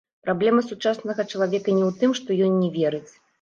Праблема сучаснага чалавека не ў тым, што ён не верыць.